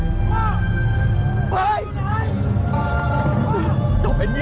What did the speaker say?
พวกนี้ยังโทษนะ